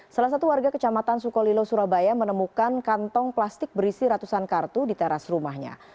salah satu warga kecamatan sukolilo surabaya menemukan kantong plastik berisi ratusan kartu di teras rumahnya